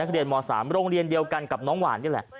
โรงเรียนเดียวกันกับน้องหวานนี่แหละ